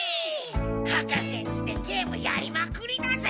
博士ん家でゲームやりまくりだぜ！